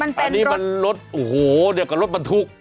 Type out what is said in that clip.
อันนี้มันรถโอ้โหเดียวกับรถบรรทุก